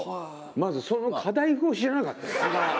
まずそのカダイフを知らなかったよ。